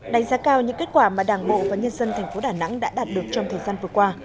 đánh giá cao những kết quả mà đảng bộ và nhân dân thành phố đà nẵng đã đạt được trong thời gian vừa qua